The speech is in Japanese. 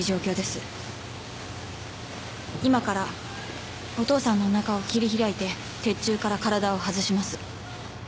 今からお父さんのおなかを切り開いて鉄柱から体を外します。